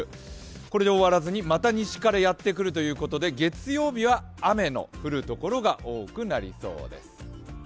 これで終わらずにまた、西からやってくるということで、月曜日は雨の降るところが多くなりそうです。